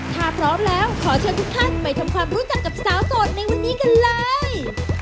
ถ้าพร้อมแล้วขอเชิญทุกท่านไปทำความรู้จักกับสาวโสดในวันนี้กันเลย